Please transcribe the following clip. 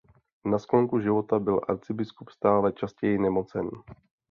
Na sklonku života byl arcibiskup stále častěji nemocen.